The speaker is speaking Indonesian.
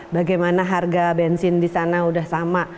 bagaimana harga bensin di sana sudah sama